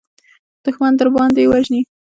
دښمن درباندې وژني.